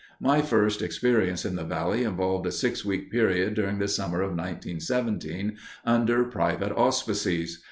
My first experience in the valley involved a six week period during the summer of 1917 under private auspices.